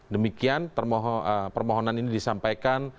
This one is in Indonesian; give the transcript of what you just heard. demikian permohonan ini disampaikan